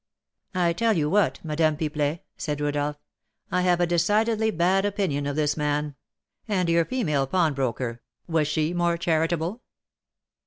'" "I tell you what, Madame Pipelet," said Rodolph, "I have a decidedly bad opinion of this man. And your female pawnbroker, was she more charitable?"